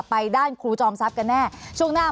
ภารกิจสรรค์ภารกิจสรรค์